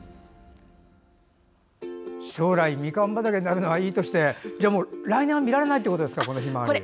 将来、みかん畑になるのはいいとして来年は見られないということですか。